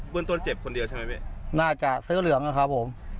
เรื่องต้นเจ็บคนเดียวใช่ไหมพี่น่าจะเสื้อเหลืองนะครับผม